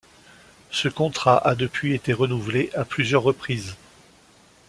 Ce contrat a depuis été renouvelé à plusieurs reprises.